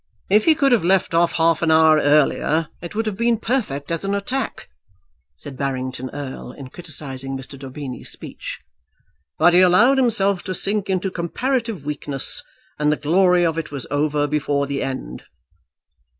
"If he could have left off half an hour earlier it would have been perfect as an attack," said Barrington Erle in criticising Mr. Daubeny's speech, "but he allowed himself to sink into comparative weakness, and the glory of it was over before the end."